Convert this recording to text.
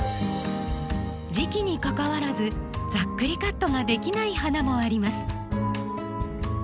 時期にかかわらずざっくりカットができない花もあります。